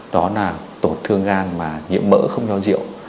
đó là tổn thương gan mà nhiễm mỡ không do rượu